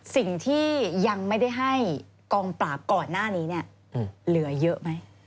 สิ่งที่ยังไม่ได้ให้กองปราบก่อนหน้านี้เนี่ยเหลือเยอะไหม